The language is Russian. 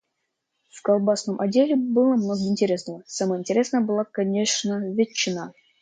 В колбасном отделе было много интересного, самое интересное была конечно ветчина.